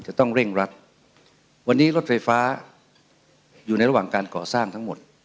จะต้องเร่งรัดวันนี้รถไฟฟ้าอยู่ในระหว่างการก่อสร้างทั้งหมด